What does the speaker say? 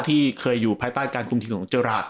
ที่เคยอยู่ภายใต้การคุมทีมของเจอราช